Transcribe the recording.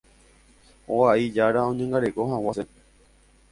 oga'i jára oñangareko hag̃ua hese.